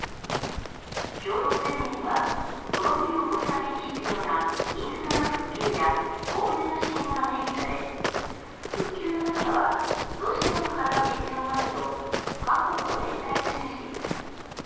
共同声明にはこの冬を越すために必要なインフラの復旧や防衛の支援が明記され復旧の代価はロシアが払う必要があると各国の連帯を示しています。